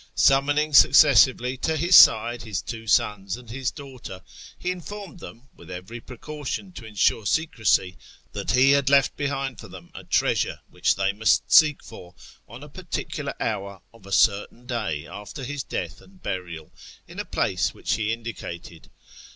Summoning successively to his side his two sons and his daughter, he informed them, with every precaution to ensure secrecy, that he had left behind for them a treasure, which they must seek for, on a particular hour of a certain day after his death and burial, in a place which he indicated.